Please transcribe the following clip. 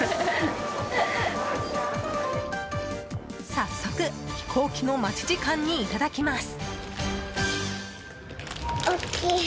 早速、飛行機の待ち時間にいただきます。